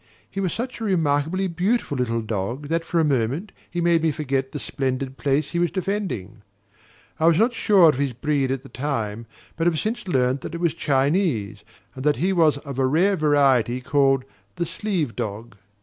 He was such a remarkably beautiful little dog that for a moment he made me forget the splendid place he was defending. I was not sure of his breed at the time, but have since learned that it was Chinese, and that he was of a rare variety called the "Sleeve dog."